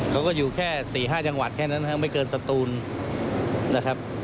เขาก็อยู่แค่๔๕จังหวัดแค่นั้นนะครับไม่เกินสตูนนะครับ